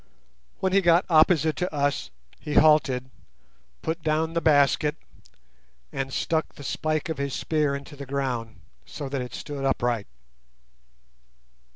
When he got opposite to us he halted, put down the basket, and stuck the spike of his spear into the ground, so that it stood upright.